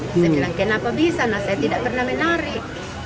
saya bilang kenapa bisa saya tidak pernah menarik